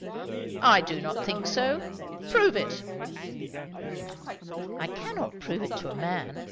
"I do not think so. Prove it." "I cannot prove it to a man.